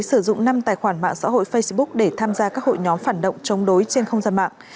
sử dụng năm tài khoản mạng xã hội facebook để tham gia các hội nhóm phản động chống đối trên không gian mạng